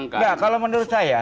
kalau menurut saya